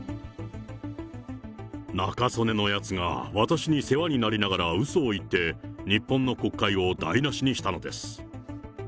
中曽根のやつが、私に世話になりながらうそを言って、日本の国会を台無しにしたのです。